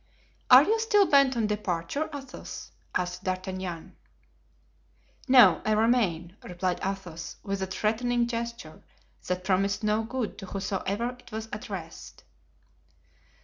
"Are you still bent on departure, Athos?" asked D'Artagnan. "No, I remain," replied Athos, with a threatening gesture that promised no good to whomsoever it was addressed.